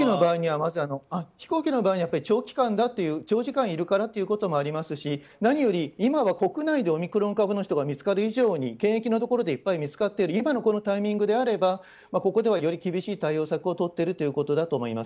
飛行機の場合には、やっぱり長時間いるからということもありますし何より、今は国内でオミクロン株の人が見つかる以上に検疫のところでいっぱい見つかっている今のタイミングであればここではより厳しい対応策をとっているということだと思います。